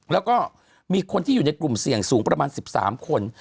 แล้วก็มีคนที่อยู่ในกลุ่มเสี่ยงสูงประมาณ๑๓คน